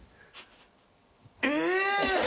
え！